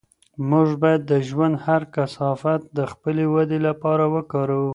موږ باید د ژوند هر کثافت د خپلې ودې لپاره وکاروو.